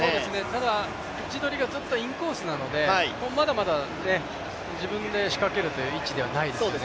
ただ、位置取りがちょっとインコースなのでまだまだ自分で仕掛けるという位置ではないですね。